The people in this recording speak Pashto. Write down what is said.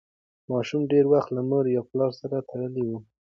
ماشوم ډېر وخت له مور یا پلار سره تړلی وي.